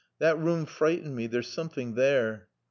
That room frightened me. There's something there."